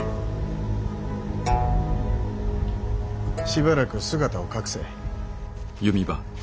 しばらく姿を隠せ。